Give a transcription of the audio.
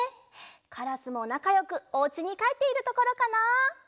カラスもなかよくおうちにかえっているところかな？